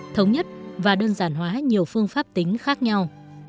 thống nhất và đơn giản hóa nhiều phương pháp tính khác nhau